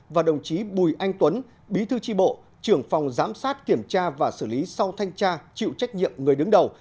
và đồng chí bùi anh tuấn bí thư tri bộ trưởng phòng giám sát kiểm tra và xử lý sau thanh tra chịu trách nhiệm người đứng đầu